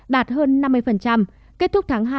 đạt hơn năm mươi kết thúc tháng hai